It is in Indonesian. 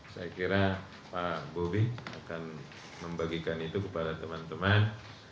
saya kira pak bobi akan membagikan itu kepada teman teman